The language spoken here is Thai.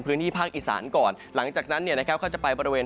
พื้นที่ภาคอีสานก่อนหลังจากนั้นเนี่ยนะครับก็จะไปบริเวณ